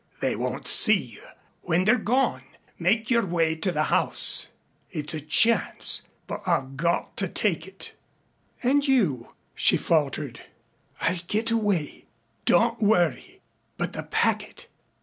They won't see you. When they're gone, make your way to the house. It's a chance, but I've got to take it." "And you?" she faltered. "I'll get away. Don't worry. But the packet.